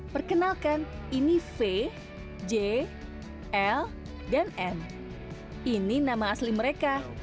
perkenalkan ini v j l dan m ini nama asli mereka